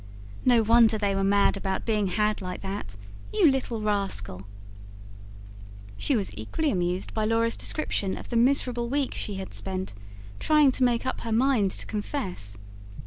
"No wonder they were mad about being had like that. You little rascal!" She was equally amused by Laura's description of the miserable week she had spent, trying to make up her mind to confess.